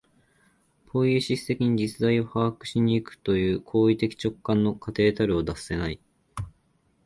ポイエシス的に実在を把握し行くという行為的直観の過程たるを脱せない。